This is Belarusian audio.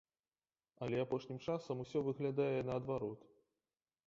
Але апошнім часам усё выглядае наадварот.